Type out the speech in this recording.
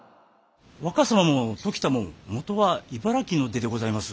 若様も時田も元は茨城の出でございます。